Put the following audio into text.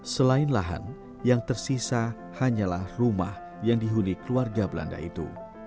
selain lahan yang tersisa hanyalah rumah yang dihuni keluarga belanda itu